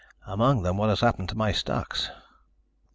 "Among them what has happened to my stocks."